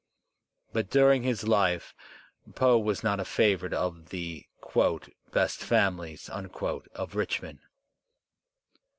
But during his life Poe was not a favourite of the ^^best families" of Richmond.